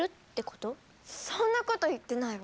そんなこと言ってないわ。